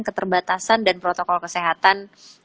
keterbatasan dan protokol kesehatan